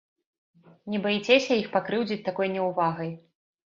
Не баіцеся іх пакрыўдзіць такой няўвагай?